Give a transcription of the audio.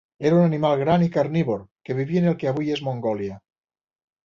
Era un animal gran i carnívor que vivia en el que avui és Mongòlia.